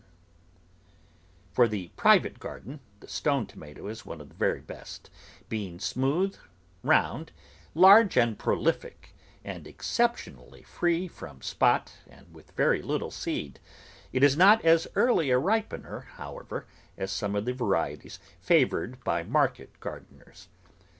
THE VEGETABLE GARDEN For the private garden the Stone tomato is one of the very best, being smooth, round, large, and prohfic, and exceptionally free from spot and with very little seed ; it is not as early a ripener, how ever, as some of the varieties favoured by market gardeners.